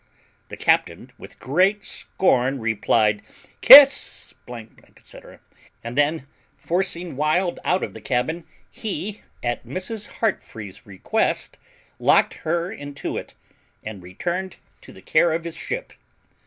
The captain with great scorn replied, "Kiss, " &c., and then, forcing Wild out of the cabbin, he, at Mrs. Heartfree's request, locked her into it, and returned to the care of his ship.